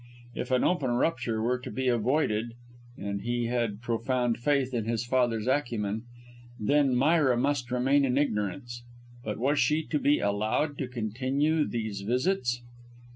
If an open rupture were to be avoided (and he had profound faith in his father's acumen), then Myra must remain in ignorance. But was she to be allowed to continue these visits?